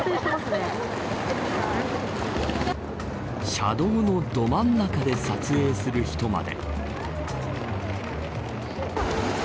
車道のど真ん中で撮影する人まで。